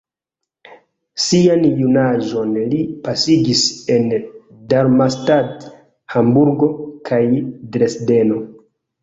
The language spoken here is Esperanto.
Sian junaĝon li pasigis en Darmstadt, Hamburgo kaj Dresdeno.